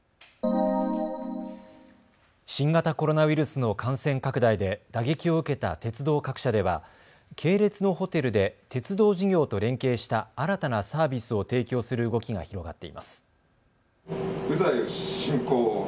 新型コロナウイルスの感染拡大で打撃を受けた鉄道各社では系列のホテルで鉄道事業と連携した新たなサービスを提供する動きが広がっています。